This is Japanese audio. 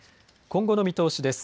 今後の見通しです。